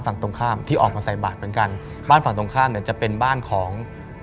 ฝั่งตรงข้ามที่ออกมาใส่บาทเหมือนกันบ้านฝั่งตรงข้ามเนี่ยจะเป็นบ้านของ